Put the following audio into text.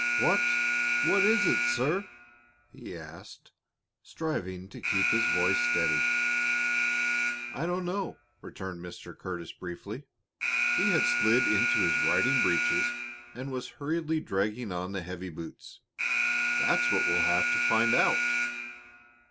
"Wha what is it, sir?" he asked, striving to keep his voice steady. "I don't know," returned Mr. Curtis, briefly. He had slid into his riding breeches and was hurriedly dragging on the heavy boots. "That's what we'll have to find out."